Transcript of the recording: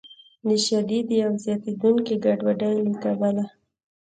د شدیدې او زیاتیدونکې ګډوډۍ له کبله